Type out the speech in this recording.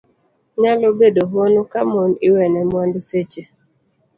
Nyalo bedo hono ka mon iwene mwandu seche